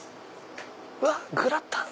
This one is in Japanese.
うわっグラタン